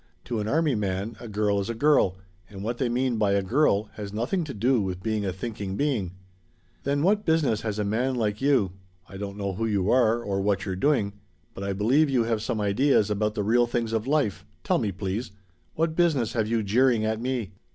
To an army man a girl is a girl, and what they mean by a girl has nothing to do with being a thinking being. Then what business has a man like you I don't know who you are or what you're doing, but I believe you have some ideas about the real things of life tell me, please what business have you jeering at me?"